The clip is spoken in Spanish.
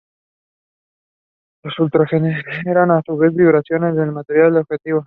Los ultrasonidos generan, a su vez, vibraciones en el material objetivo.